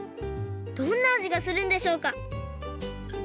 どんなあじがするんでしょうか？